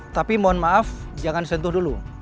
tapi mohon maaf jangan sentuh dulu